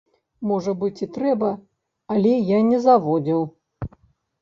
Можа быць і трэба, але я не заводзіў.